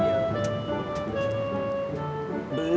tidak ada duit